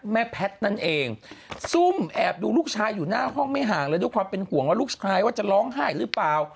แม่แพทย์นั่นเองซุ่มแอบดูลูกชายอยู่หน้าห้องไม่ห่างเลยด้วยความเป็นห่วงว่าลูกชายว่าจะร้องไห้หรือเปล่า